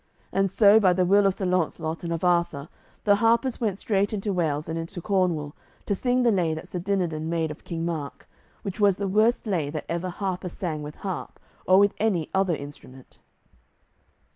And so, by the will of Sir Launcelot and of Arthur, the harpers went straight into Wales and into Cornwall, to sing the lay that Sir Dinadan made of King Mark, which was the worst lay that ever harper sang with harp or with any other instrument.